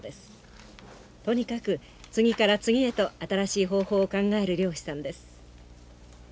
とにかく次から次へと新しい方法を考える漁師さんです。